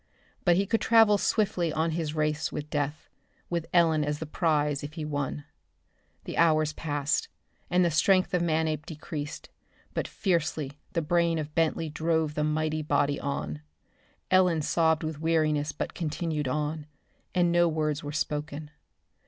But he could travel swiftly on his race with death, with Ellen as the prize if he won. The hours passed, and the strength of Manape decreased; but fiercely the brain of Bentley drove the mighty body on. Ellen sobbed with weariness but continued on, and no words were spoken.